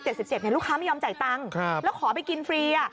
ลูกค้าไม่ยอมจ่ายตังค์แล้วขอไปกินฟรีอ่ะ